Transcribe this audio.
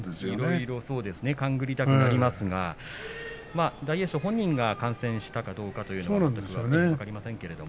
いろいろ勘ぐりたくなりますが大栄翔本人が感染したかどうかというのは分かりませんけれど。